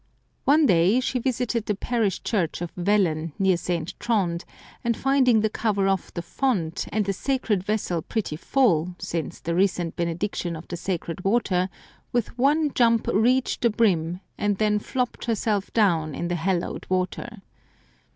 One day she visited the parish church of Wellen, near St. Trond, and finding the cover off the font, and the sacred vessel pretty full, since the recent benediction of the sacred water, with one jump reached the brim, and then flopped herself down in the hallowed water.